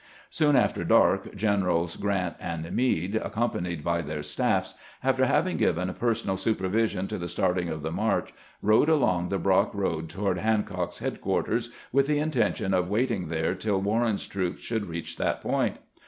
Soon after dark, Generals Grant and Meade, accom panied by their staffs, after having given personal supervision to the starting of the march, rode along the Brock road toward Hancock's headquarters, with the intention of waiting there till "Warren's troops should reach that point.